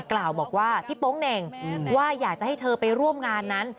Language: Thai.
กล่าวบอกว่าพี่โป๊งเหน่งว่าอยากจะให้เธอไปร่วมงานนั้น